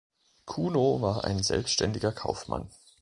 Cuno war ein selbständiger Kaufmann.